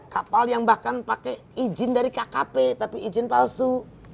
kapal yang bahkan pakai izin dari kkp tapi izin palsu